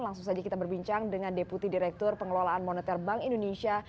langsung saja kita berbincang dengan deputi direktur pengelolaan moneter bank indonesia